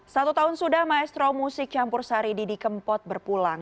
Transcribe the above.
satu tahun sudah maestro musik campur sari didi kempot berpulang